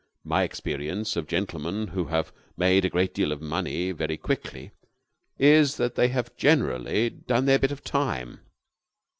My experience of gentlemen who have made a great deal of money very quickly is that they have generally done their bit of time.